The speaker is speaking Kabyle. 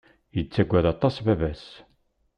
Yettaggad aṭas baba-s.